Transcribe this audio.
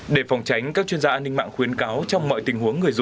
để phòng tránh các chuyên gia an ninh mạng khuyến cáo